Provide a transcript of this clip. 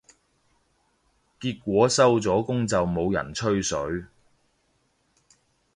結果收咗工就冇人吹水